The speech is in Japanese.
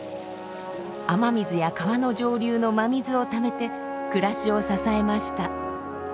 雨水や川の上流の真水をためて暮らしを支えました。